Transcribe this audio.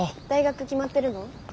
大学決まってるの？